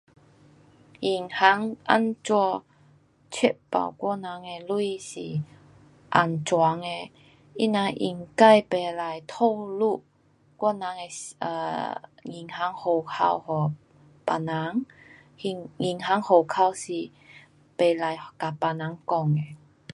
银行怎样确保我人的钱是安全的，他人应该不可透露我人的 um 银行户口给别人，银，银行户口是不可跟别人讲的。